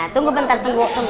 tunggu bentar tunggu